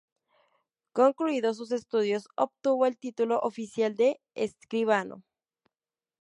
Concluidos sus estudios, obtuvo el título oficial de escribano.